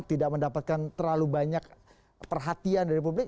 tidak mendapatkan terlalu banyak perhatian dari publik